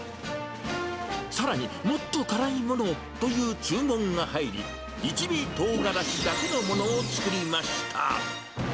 さらに、もっと辛いものをという注文が入り、一味トウガラシだけのものを作りました。